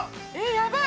◆やばい！